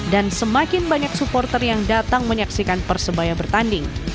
dan semakin banyak supporter yang datang menyaksikan persebaya bertanding